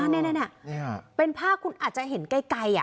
นี่เป็นภาพคุณอาจจะเห็นไกล